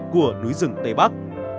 của núi rừng tây bắc